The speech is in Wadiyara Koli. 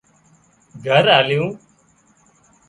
گھر آليُون